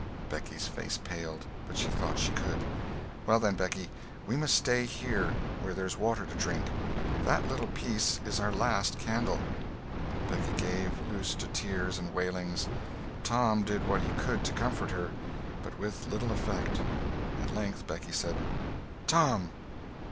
Becky's face paled, but she thought she could. "Well, then, Becky, we must stay here, where there's water to drink. That little piece is our last candle!" Becky gave loose to tears and wailings. Tom did what he could to comfort her, but with little effect. At length Becky said: "Tom!"